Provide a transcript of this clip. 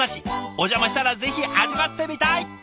お邪魔したらぜひ味わってみたい！